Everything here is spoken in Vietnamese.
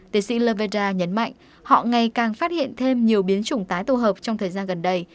tiến sĩ laveda nhấn mạnh họ ngày càng phát hiện thêm nhiều biến chủng tái tổ hợp trong thời gian gần đây